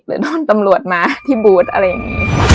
โดนตำรวจมาที่บูธอะไรอย่างนี้